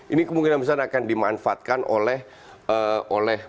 ini kemungkinan besar akan dimanfaatkan oleh